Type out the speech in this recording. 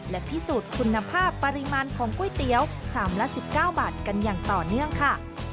และพิสูจน์คุณภาพปริมาณของก๋วยเตี๋ยวชามละ๑๙บาทกันอย่างต่อเนื่องค่ะ